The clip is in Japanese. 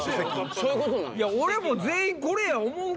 そういうことなんや。